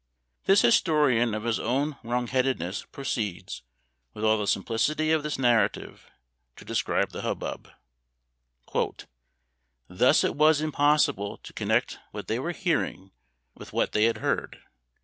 This historian of his own wrong headedness proceeds, with all the simplicity of this narrative, to describe the hubbub. "Thus it was impossible to connect what they were hearing with what they had heard.